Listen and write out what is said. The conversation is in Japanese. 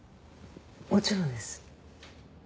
もちろんです。